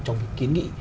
trong kiến nghị